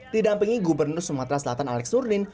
didampingi gubernur sumatera selatan alex nurdin